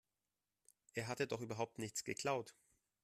Er hatte doch überhaupt nichts geklaut.